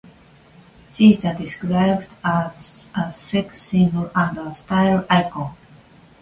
She is described as a sex symbol and a style icon.